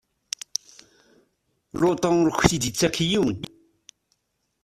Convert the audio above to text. Lutu ur k-d-ittak yiwen.